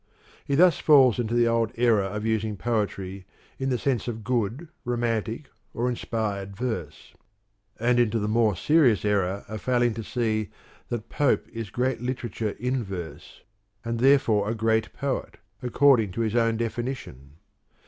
He thus falls into the old error of using poetry in the sense of good, Romantic, or inspired verse; and into the more serious error of failing to see that Pope is great literature in verse, and therefore a great poet, according to his own definition.